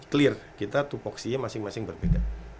clear kita tupoksinya masing masing berbeda